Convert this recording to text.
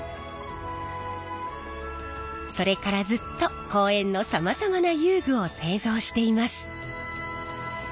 それからずっと公園のさまざまな遊具を製造しています。